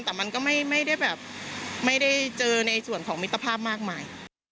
แต่มันก็ไม่ได้เจอในส่วนของมิตรภาพมากมาย